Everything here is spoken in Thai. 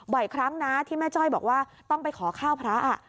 บ่อยครั้งนะที่แม่จ้อยบอกว่าต้องไปขอข้าวพระ